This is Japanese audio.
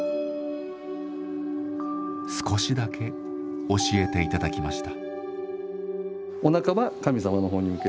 少しだけ教えていただきました。